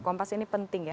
kompas ini penting ya